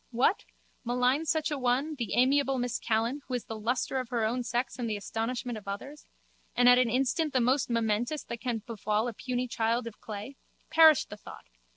What? Malign such an one, the amiable Miss Callan, who is the lustre of her own sex and the astonishment of ours? And at an instant the most momentous that can befall a puny child of clay? Perish the thought!